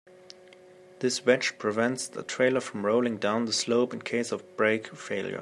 This wedge prevents the trailer from rolling down the slope in case of brake failure.